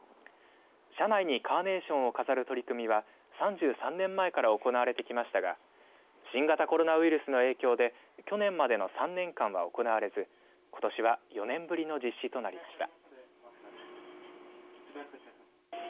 車内にカーネーションを飾る取り組みは３３年前から行われてきましたが新型コロナウイルスの影響で去年までの３年間は行われずことしは４年ぶりの実施となりました。